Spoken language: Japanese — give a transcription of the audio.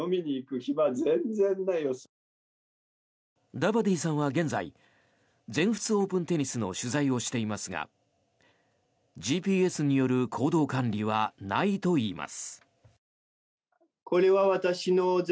ダバディさんは現在全仏オープンテニスの取材をしていますがＧＰＳによる行動管理はないといいます。